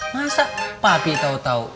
masa papi tau tau